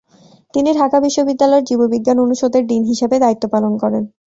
তিনি ঢাকা বিশ্ববিদ্যালয়ের জীববিজ্ঞান অনুষদের ডিন হিসেবে দায়িত্ব পালন করেন।